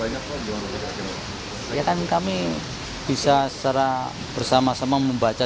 ya kan kami bisa secara bersama sama membaca